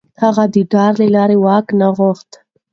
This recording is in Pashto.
هغه د ډار له لارې واک نه غوښت.